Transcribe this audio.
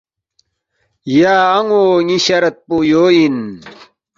”یا ان٘و ن٘ی شرط پو یو اِن